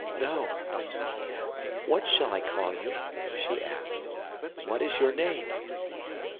"No;—what shall I call you?" she asked. "What is your name?"